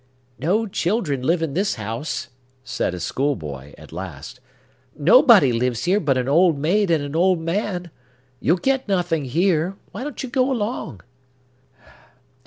"No children live in this house," said a schoolboy, at last. "Nobody lives here but an old maid and an old man. You'll get nothing here! Why don't you go along?"